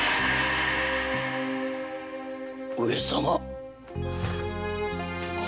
上様！